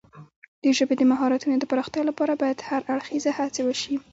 د ژبې د مهارتونو د پراختیا لپاره باید هر اړخیزه هڅې وشي.